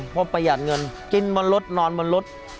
เพราะประหยัดเงินกินบนรถนอนบนรถ